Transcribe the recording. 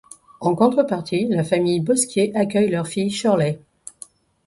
En contrepartie, la famille Bosquier accueille leur fille Shirley.